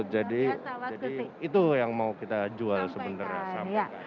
jadi itu yang mau kita jual sebenarnya